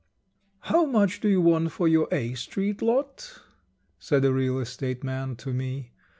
"How much do you want for your A. Street lot?" Said a real estate man to me.